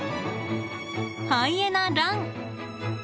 ハイエナラン！